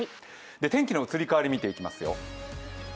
天気の移り変わり見ていきますよ。